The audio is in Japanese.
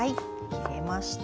切れました。